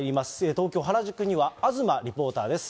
東京・原宿には東リポーターです。